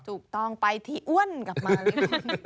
ถูกต้องไปที่อ้วนกลับมาเลย